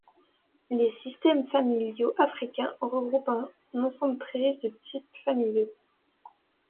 Les systèmes familiaux africains regroupent un ensemble très riche de types familiaux.